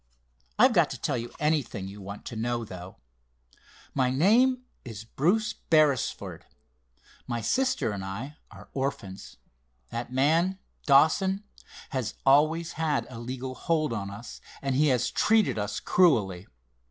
I've got to tell you anything you want to know, though. My name is Bruce Beresford. My sister and I are orphans. That man, Dawson, has always had a legal hold on us, and he has treated us cruelly.